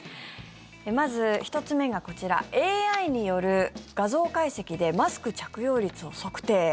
まず１つ目がこちらＡＩによる画像解析でマスク着用率を測定。